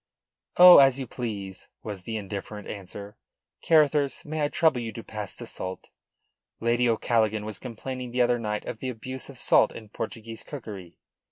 "Oh, as you please," was the indifferent answer. "Carruthers, may I trouble you to pass the salt? Lady O'Callaghan was complaining the other night of the abuse of salt in Portuguese cookery.